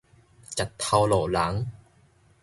食頭路人